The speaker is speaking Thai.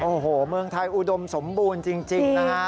โอ้โหเมืองไทยอุดมสมบูรณ์จริงนะฮะ